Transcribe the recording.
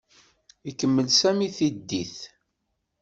Ikemmel Sami tiddit.